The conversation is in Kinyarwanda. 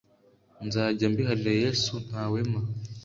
Nzajya mbiharira yesu ntawema